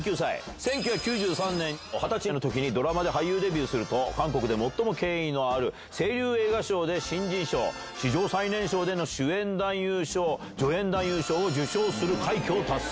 １９９３年、２０歳のときにドラマで俳優デビューすると、韓国で最も権威のある青龍映画賞で新人賞、史上最年少での主演男優賞、助演男優賞を受賞する快挙を達成。